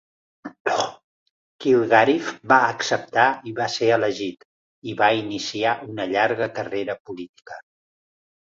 Kilgariff va acceptar i va ser elegit, i va iniciar una llarga carrera política.